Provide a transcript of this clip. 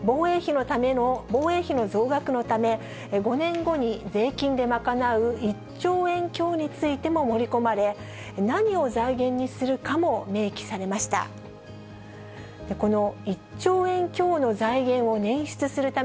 防衛費の増額のため、５年後に税金で賄う１兆円強についても盛り込まれ、何を財源にするかも明記されました。